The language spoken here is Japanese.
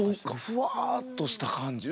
ふわっとした感じ。